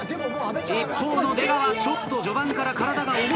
一方の出川ちょっと序盤から体が重いのか？